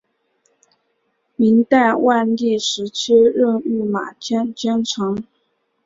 明代万历时期任御马监监丞。